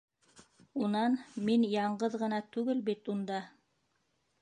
Унан мин яңғыҙ ғына түгел бит унда.